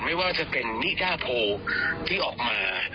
ไม่ว่าจะเป็นนิดาโพที่ออกมา